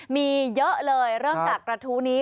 มีเยอะเลยเริ่มจากกระทู้นี้